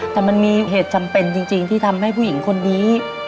แต่มันมีเหตุจำเป็นจริงที่ทำให้ผู้หญิงคนนี้